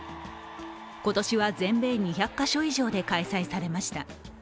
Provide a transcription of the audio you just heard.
今年は全米２００か所以上で開催されました。